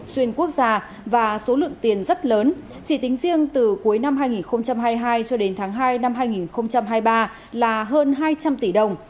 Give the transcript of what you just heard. xuyên quốc gia và số lượng tiền rất lớn chỉ tính riêng từ cuối năm hai nghìn hai mươi hai cho đến tháng hai năm hai nghìn hai mươi ba là hơn hai trăm linh tỷ đồng